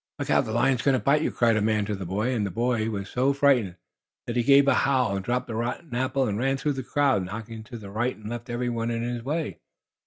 "Look out! The lion's going to bite you!" cried a man to the boy, and the boy was so frightened that he gave a howl and dropped the rotten apple and ran through the crowd, knocking to the right and left every one in his way.